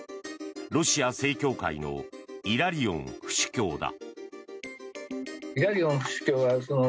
ロシア正教会のイラリオン府主教だ。